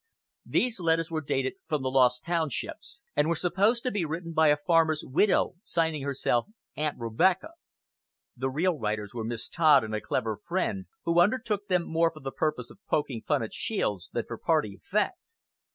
These letters were dated from the "Lost Townships," and were supposed to be written by a farmer's widow signing herself "Aunt Rebecca." The real writers were Miss Todd and a clever friend, who undertook them more for the purpose of poking fun at Shields than for party effect.